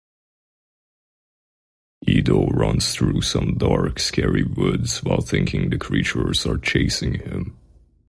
Edo runs through some dark, scary woods while thinking the creatures are chasing him.